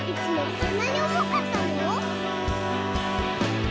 こんなにおもかったの？」